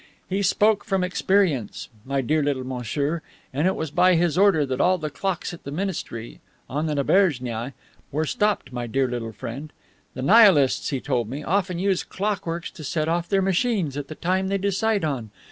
He spoke from experience, my dear little monsieur, and it was by his order that all the clocks at the Ministry, on the Naberjnaia, were stopped, my dear little friend. The Nihilists, he told me, often use clockworks to set off their machines at the time they decide on.